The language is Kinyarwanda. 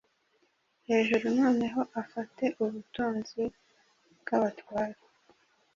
hejuru noneho afate ubutunzi bwabatware